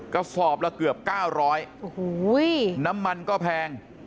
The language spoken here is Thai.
ก็สอบละเกือบ๙๐๐น้ำมันก็แพง